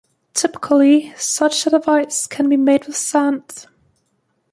Typically, such a device can be made with sand.